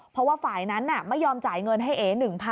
เพราะว่าฝ่ายนั้นไม่ยอมจ่ายเงินให้เอ๑๐๐๐